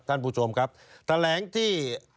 ท่านผู้ชมครับแถลงที่